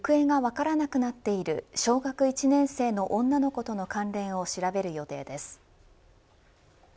警察は司法解剖を行い行方が分からなくなっている小学生１年生の女の子との関連を調べる予定です。